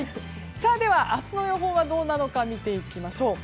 では、明日の予報はどうなのか見ていきましょう。